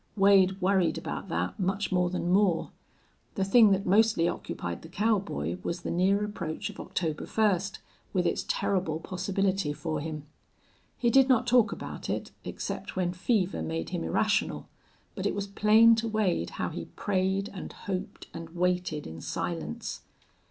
Wade worried about that much more than Moore. The thing that mostly occupied the cowboy was the near approach of October first, with its terrible possibility for him. He did not talk about it, except when fever made him irrational, but it was plain to Wade how he prayed and hoped and waited in silence.